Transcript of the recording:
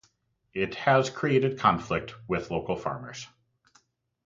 It has created conflict with local farmers.